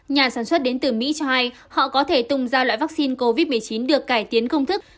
nhà sản xuất đến từ mỹ cho hay họ có thể tung ra loại vaccine covid một mươi chín được cải tiến công thức